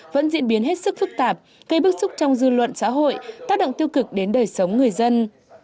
vẫn diễn biến hết sức phức tạp gây bức xúc trong dư luận xã hội tác động tiêu cực đến đời sống người dân